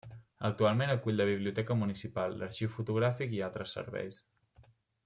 Actualment acull la biblioteca municipal, l'arxiu fotogràfic i altres serveis.